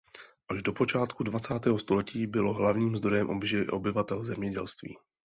Až do počátku dvacátého století bylo hlavním zdrojem obživy obyvatel zemědělství.